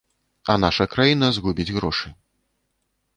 А наша краіна згубіць грошы.